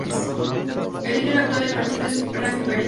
El líder actual del partido es Rafi Peretz.